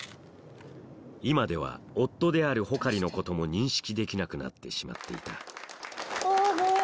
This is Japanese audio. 今では夫である穂刈のことも認識できなくなってしまっていたオーボエ。